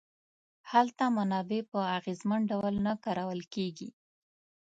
هلته منابع په اغېزمن ډول نه کارول کیږي.